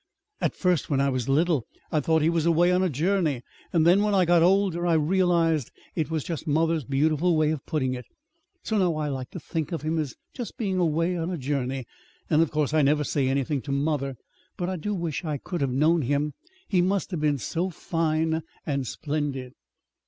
At first, when I was little, I thought he was away on a journey. Then, when I got older, I realized it was just mother's beautiful way of putting it. So now I like to think of him as being just away on a journey. And of course I never say anything to mother. But I do wish I could have known him. He must have been so fine and splendid!'"